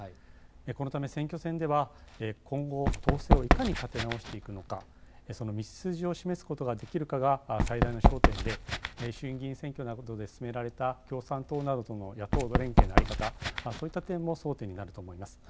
このため、選挙戦では今後、党勢をいかに立て直していくのか、その道筋を示すことができるかが最大の焦点で、衆議院議員選挙などで進められた共産党などとの野党連携の在り方、そういった点も争点になると思います。